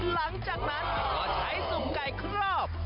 หลังจากนั้นก็ใช้สุ่มไก่ครอบ